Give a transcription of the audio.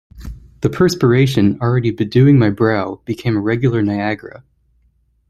The perspiration, already bedewing my brow, became a regular Niagara.